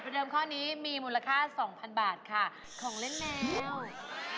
มีคนไร้เขกสะขนาดนั้นเลย